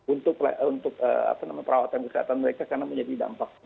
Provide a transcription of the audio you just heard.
untuk perawatan kesehatan mereka karena menjadi dampak